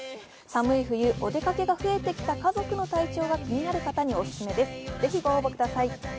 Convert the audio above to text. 寒い冬、お出かけが増えてきた家族の体調が気になる方にオススメです。